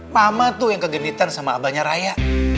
mama tuh yang kegenitan sama abahnya raya